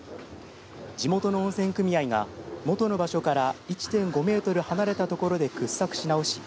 地元の温泉組合が元の場所から１．５メートル離れた所で掘削し直し